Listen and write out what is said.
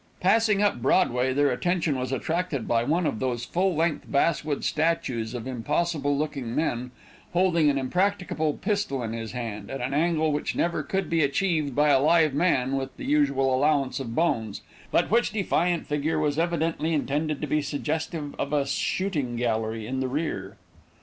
Passing up Broadway, their attention was attracted by one of those full length basswood statues of impossible looking men, holding an impracticable pistol in his hand, at an angle which never could be achieved by a live man with the usual allowance of bones, but which defiant figure was evidently intended to be suggestive of a shooting gallery in the rear.